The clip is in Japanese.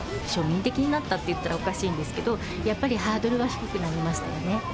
庶民的になったっていったらおかしいんですけど、やっぱりハードルは低くなりましたよね。